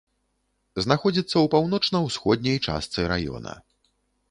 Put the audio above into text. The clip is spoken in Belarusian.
Знаходзіцца ў паўночна-ўсходняй частцы раёна.